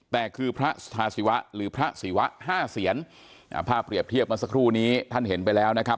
แต่คือพระสธาศิวะหรือพระศิวะห้าเสียนอ่าภาพเปรียบเทียบเมื่อสักครู่นี้ท่านเห็นไปแล้วนะครับ